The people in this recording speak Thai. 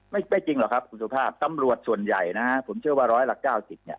ไม่ไม่จริงหรอกครับคุณสุภาพตำรวจส่วนใหญ่นะฮะผมเชื่อว่าร้อยละเก้าสิบเนี่ย